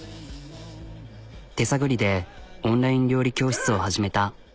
手探りでオンライン料理教室を始めた。